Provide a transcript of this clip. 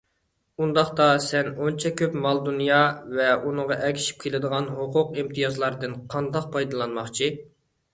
ئۇنداقتا سەن ئۇنچە كۆپ مال - دۇنيا ۋە ئۇنىڭغا ئەگىشىپ كېلىدىغان ھوقۇق - ئىمتىيازلاردىن قانداق پايدىلانماقچى؟